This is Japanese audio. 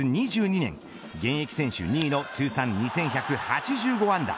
２２年現役選手２位の通算２１８５安打。